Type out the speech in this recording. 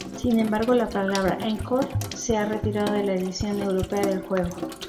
Sin embargo, la palabra "Encore" se ha retirado de la edición europea del juego.